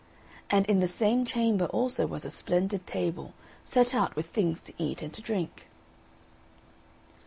And in the same chamber also was a splendid table, set out with things to eat and to drink.